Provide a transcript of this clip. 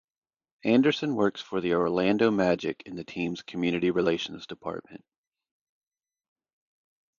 Anderson works for the Orlando Magic in the team's community relations department.